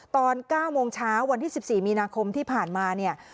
ตอน๙โมงเช้าวันที่๑๔มีนาคมที่ผ่านมาเนี่ย